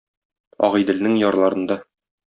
Агыйделнең ярларында